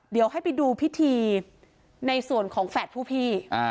เดี๋ยวให้ไปดูพิธีในส่วนของแฝดผู้พี่